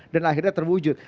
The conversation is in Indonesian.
dan akhirnya terwujud